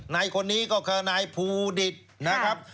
ในคนนี้ก็คือนายภูดิษฐ์นะครับ